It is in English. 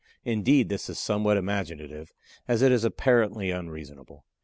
Indeed, this is somewhat imaginative as it is apparently unreasonable.